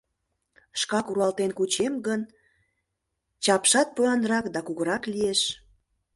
Шкак руалтен кучем гын, чапшат поянрак да кугурак лиеш.